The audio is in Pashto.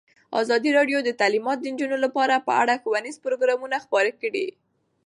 ازادي راډیو د تعلیمات د نجونو لپاره په اړه ښوونیز پروګرامونه خپاره کړي.